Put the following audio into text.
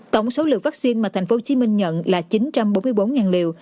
tổng số lượng vaccine mà thành phố hồ chí minh nhận là chín trăm bốn mươi bốn liều